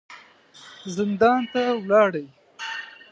زندان ته ولاړې.